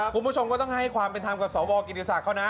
คุณผู้ชมก็ต้องให้ความเป็นธรรมกับสวกิติศักดิ์เขานะ